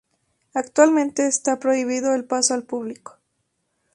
Actualmente está prohibido el paso al público.